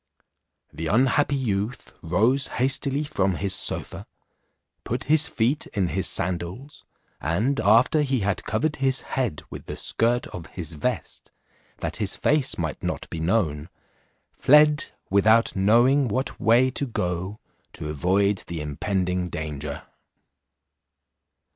The unhappy youth rose hastily from his sofa, put his feet in his sandals, and after he had covered his head with the skirt of his vest, that his face might not be known, fled, without knowing what way to go, to avoid the impending danger.